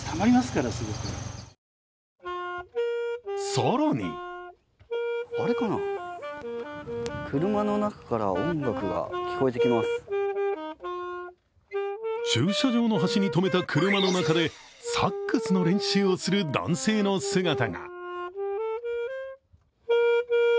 更に駐車場の端に止めた車の中でサックスの練習をする男性の姿が。